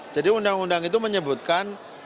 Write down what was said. jadi undang undang itu menyebutkan